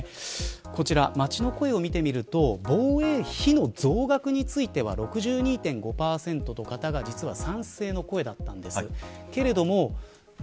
こちら、街の声を見てみると防衛費の増額については６２．５％の方が実は賛成の声だったんです。